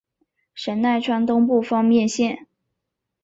神奈川东部方面线。